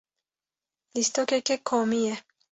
Lîstikeke komî ye.